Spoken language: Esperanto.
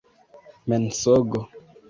mensogo